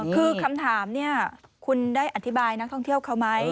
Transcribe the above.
คือคำถามเนี่ยคุณได้อธิบายนักท่องเที่ยวเขาไหม